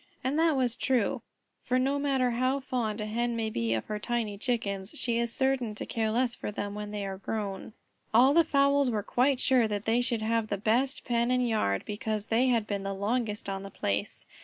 And that was true, for no matter how fond a Hen may be of her tiny Chickens, she is certain to care less for them when they are grown. All the fowls were quite sure that they should have the best pen and yard, because they had been the longest on the place.